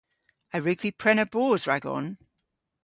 A wrug vy prena boos ragon?